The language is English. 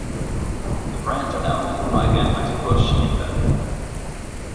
The brands are now owned by Anheuser-Busch InBev.